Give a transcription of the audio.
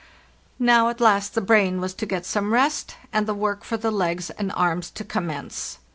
Now at last the brain was to get some rest, and the work for the legs and arms to commence.